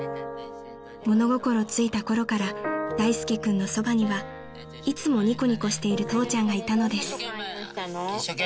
［物心ついたころから大介君のそばにはいつもニコニコしている父ちゃんがいたのです］